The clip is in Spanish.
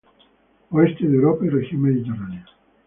Oeste de Europa y región mediterránea.